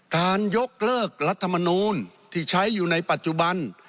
การยกเลิกรัฐมนูลที่ใช้อยู่ในปัจจุบัน